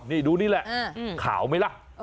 นี่ดูนี่แหละขาวไหมล่ะ